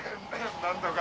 なんとか。